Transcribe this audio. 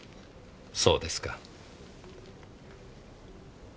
そうですか。